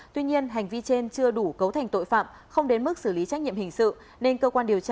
tuy nhiên hành vi trên chưa đủ cấu thành tội phạm không đến mức xử lý trách nhiệm hình sự